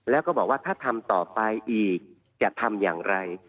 แล้วก็บอกว่าถ้าทำต่อไปอีกจะทำอย่างไร